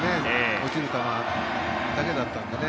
落ちる球だけだったのでね。